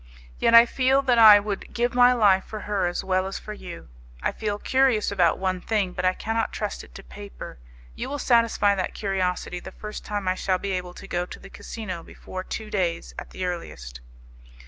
Yet I feel that I would give my life for her as well as for you. I feel curious about one thing, but I cannot trust it to paper. You will satisfy that curiosity the first time I shall be able to go to the casino before two days at the earliest.